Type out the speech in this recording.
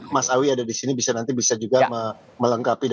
mas awid ada disini bisa nanti juga melengkapi